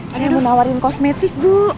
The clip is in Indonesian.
tadi mau nawarin kosmetik bu